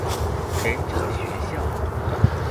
忍者學校